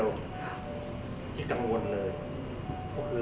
มันประกอบกันแต่ว่าอย่างนี้แห่งที่